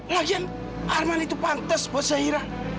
lagian arman itu pantes buat zahira